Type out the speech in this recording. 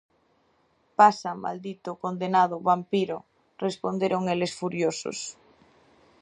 Pasa, maldito, condenado, vampiro! -responderon eles, furiosos.